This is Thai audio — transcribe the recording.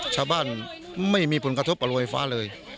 ไม่มีผลกระทบกับโรงไฟฟ้าเลย